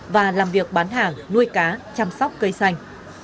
và làm việc bán hàng nuôi cá chăm sóc cây xanh